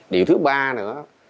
điều thứ ba nữa